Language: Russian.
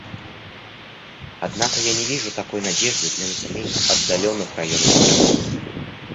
Однако я не вижу такой надежды для населения отдаленных районов страны.